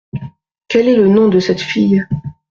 Quel est le nom de cette fille ?